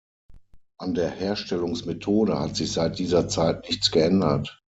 An der Herstellungsmethode hat sich seit dieser Zeit nichts geändert.